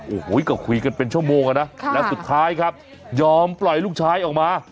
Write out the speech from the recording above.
โอ้โหก็คุยกันเป็นชั่วโมงอะนะแล้วสุดท้ายครับยอมปล่อยลูกชายออกมา